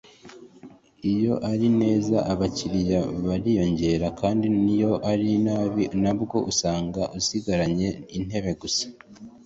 iyo ari neza abakiriya bariyongera kandi n’iyo ari nabi nabwo usanga usigaranye n’intebe gusa